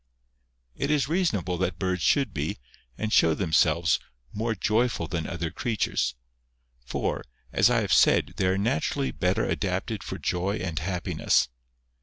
It is reasonable that birds should be, and show them selves, more joyful than other creatures. For, as I have said, they are naturally better adapted for joy and happiness.